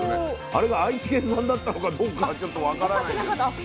あれが愛知県産だったのかどうかはちょっと分からないです。